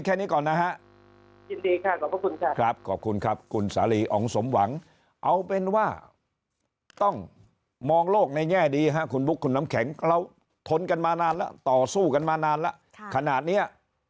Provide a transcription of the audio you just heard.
เอาเป็นว่าต้องมองโลกในแย่ดีครับคุณบุ๊คคุณน้ำแข็งเราทนกันมานานแล้วต่อสู้กันมานานแล้วค่ะขนาดนี้